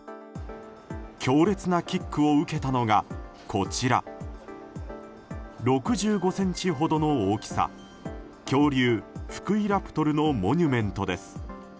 強烈なキックを受けたのがこちら、６５ｃｍほどの大きさ恐竜フクイラプトルのモニュメントです。